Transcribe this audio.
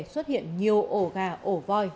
xuất hiện nhiều ổ gà ổ voi